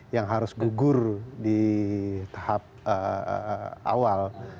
yang harus gugur di tahap awal